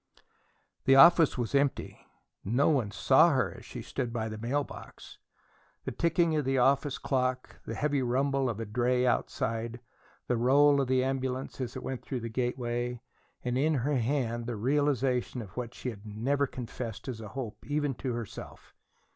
The office was empty. No one saw her as she stood by the mail box. The ticking of the office clock, the heavy rumble of a dray outside, the roll of the ambulance as it went out through the gateway, and in her hand the realization of what she had never confessed as a hope, even to herself!